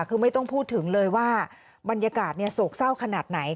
คือไม่ต้องพูดถึงเลยว่าบรรยากาศโศกเศร้าขนาดไหน